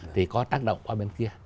thì có tác động qua bên kia